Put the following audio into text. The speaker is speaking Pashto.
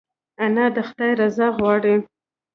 انا د خدای رضا غواړي